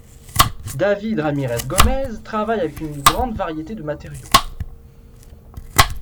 David Ramirez-Gomez travaille avec une grande variété de matériaux.